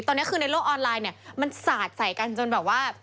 ตอนนี้คือในโลกออนไลน์เนี่ยมันสาดใส่กันจนแบบว่า